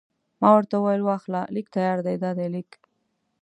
ما ورته وویل: واخله، لیک تیار دی، دا دی لیک.